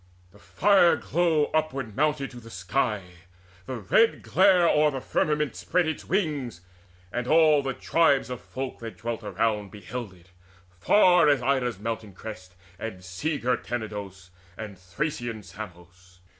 The fire glow upward mounted to the sky, The red glare o'er the firmament spread its wings, And all the tribes of folk that dwelt around Beheld it, far as Ida's mountain crests, And sea girt Tenedos, and Thracian Samos.